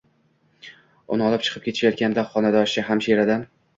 Uni olib chiqib ketishayotganda xonadoshi hamshiradan